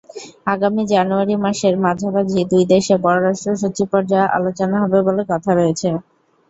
আগামী জানুয়ারি মাসের মাঝামাঝি দুই দেশে পররাষ্ট্রসচিব পর্যায়ে আলোচনা হবে বলে কথা রয়েছে।